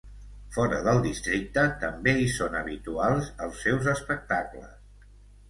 Fora del districte, també hi són habituals, els seus espectacles.